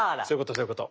そういうこと。